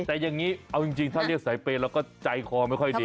แต่อย่างนี้เอาจริงถ้าเรียกสายเปย์เราก็ใจคอไม่ค่อยดี